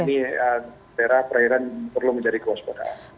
ini perairan perlu menjadi kuas perairan